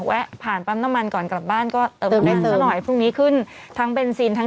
แวะผ่านปั๊มน้ำมันก่อนกลับบ้านก็อาจจะน้อยพรุ่งนี้ขึ้นทั้งเบนซีนทั้ง